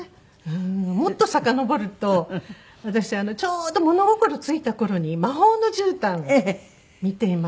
もっとさかのぼると私ちょうど物心ついた頃に『魔法のじゅうたん』を見ていました。